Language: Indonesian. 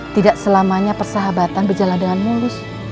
tidak selamanya persahabatan berjalan dengan mulus